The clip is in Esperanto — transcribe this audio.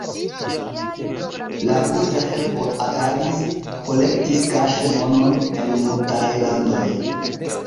La Ruĝa Helpo agadis, kolektis kaŝe monon en multaj landoj.